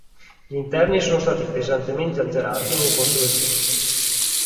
Gli interni sono stati pesantemente alterati nel corso del tempo.